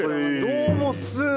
どうもっす。